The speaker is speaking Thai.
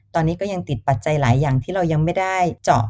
ตอนนี้ก็ยังติดปัจจัยหลายอย่างที่เรายังไม่ได้เจาะ